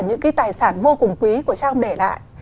và những cái tài sản vô cùng quý của cha ông để lại